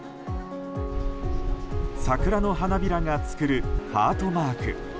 桜の花びらが作るハートマーク。